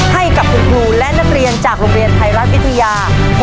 ให้กับคุณครูและนักเรียนจากโรงเรียนไทยรัฐวิทยา